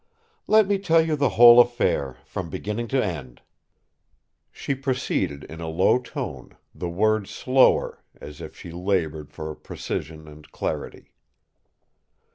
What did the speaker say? "Let me tell you the whole affair, from beginning to end." She proceeded in a low tone, the words slower, as if she laboured for precision and clarity.